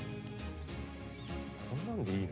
こんなんでいいの？